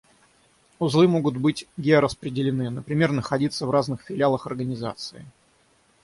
Узлы могут быть гео-распределены: например, находиться в разных филиалах организации